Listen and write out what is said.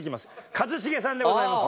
一茂さんでございます。